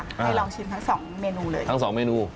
ให้ลองชิมทั้งสองเมนูเลยทั้งสองเมนู